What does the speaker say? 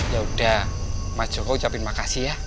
yaudah mas joko ucapin makasih ya